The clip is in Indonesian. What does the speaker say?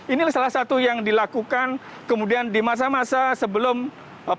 ini salah satu yang dilakukan kemudian di masa masa sebelum pemilu